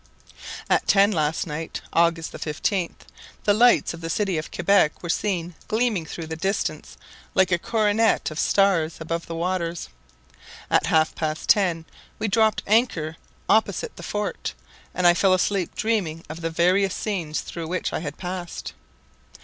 At ten last night, August the 15th, the lights of the city of Quebec were seen gleaming through the distance like a coronet of stars above the waters. At half past ten we dropped anchor opposite the fort, and I fell asleep dreaming of the various scenes through which I had passed.